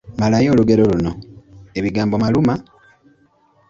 Malayo olugero luno: Ebigambo maluma, …..